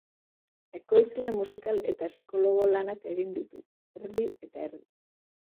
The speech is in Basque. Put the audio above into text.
Ekoizle musikal eta psikologo lanak egin ditu, erdi eta erdi.